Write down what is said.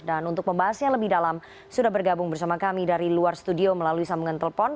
dan untuk membahasnya lebih dalam sudah bergabung bersama kami dari luar studio melalui sambungan telepon